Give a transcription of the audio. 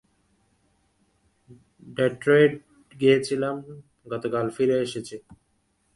Detroit গিয়েছিলাম, গতকাল ফিরে এসেছি।